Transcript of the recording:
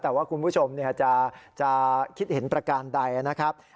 แต่ว่าคุณผู้ชมจะคิดเห็นประการใดนะครับ